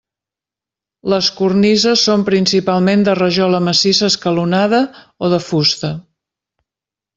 Les cornises són principalment de rajola massissa escalonada o de fusta.